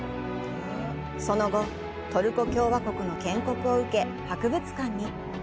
その後、トルコ共和国の建国を受け博物館に。